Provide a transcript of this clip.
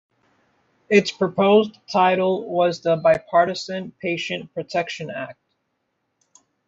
Its proposed title was the "Bipartisan Patient Protection Act".